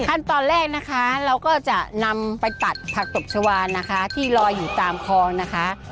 ขั้นตอนแรกนะคะเราก็จะนำไปตัดผักตบชาวานนะคะที่ลอยอยู่ตามคลองนะคะ